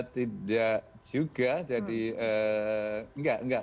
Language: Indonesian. tidak juga jadi enggak